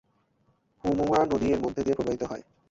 হুমুয়া নদী এর মধ্য দিয়ে প্রবাহিত হয়।